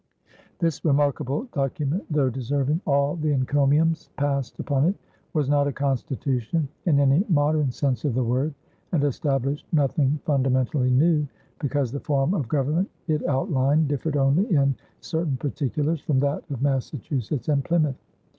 This remarkable document, though deserving all the encomiums passed upon it, was not a constitution in any modern sense of the word and established nothing fundamentally new, because the form of government it outlined differed only in certain particulars from that of Massachusetts and Plymouth.